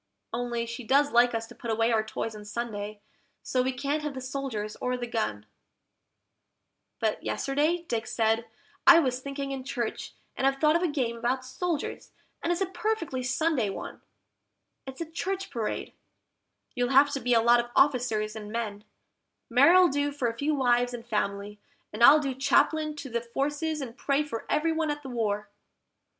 Only she does like us to put away our toys on Sunday, so we can't have the soldiers or the gun; But yesterday Dick said, "I was thinking in church, and I've thought of a game about soldiers, and it's a perfectly Sunday one; It's a Church Parade: you'll have to be a lot of officers and men, Mary'll do for a few wives and families, and I'll be Chaplain to the Forces and pray for everyone at the war."